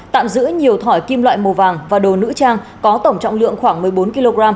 tạm giữ nhiều thỏi kim loại màu vàng và đồ nữ trang có tổng trọng lượng khoảng một mươi bốn kg